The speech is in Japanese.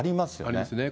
ありますね。